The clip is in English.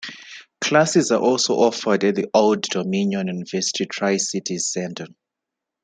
Classes are also offered at the Old Dominion University Tri-Cities Center.